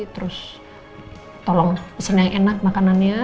terus tolong pesen yang enak makanannya